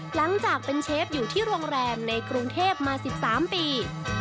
หลังจากเป็นเชฟอยู่ที่โรงแรมในกรุงเทพมา๑๓ปี